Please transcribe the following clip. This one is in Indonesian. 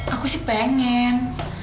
aku sih pengen